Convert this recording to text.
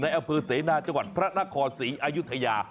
นายอาภิเษย์นาคหพระนครศรีอยุธยา